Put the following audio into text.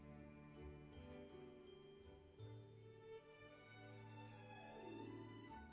jangan lupa langgar join like